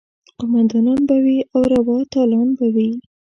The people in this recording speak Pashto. قوماندانان به وي او روا تالان به وي.